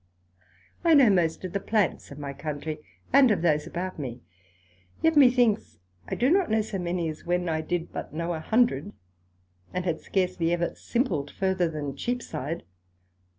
I know most of the Plants of my Countrey, and of those about me; yet methinks I do not know so many as when I did but know a hundred, and had scarcely ever Simpled further than Cheap side.